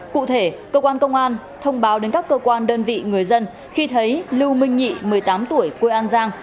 cụ thể cơ quan công an thông báo đến các cơ quan đơn vị người dân khi thấy lưu minh nhị một mươi tám tuổi quê an giang